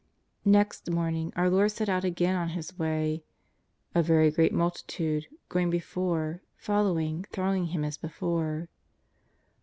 !N'ext morning our Lord set out again on His way, " a very great multitude " going before, following, thronging Him as before.